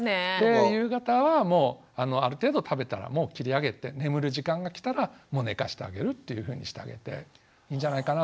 夕方はもうある程度食べたらもう切り上げて眠る時間が来たらもう寝かしてあげるというふうにしてあげていいんじゃないかな。